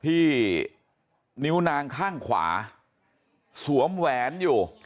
ที่นิ้วนางข้างขวาสวมแหวนอยู่